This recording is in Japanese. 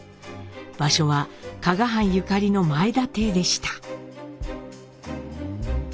場所は加賀藩ゆかりの前田邸でした。